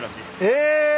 え！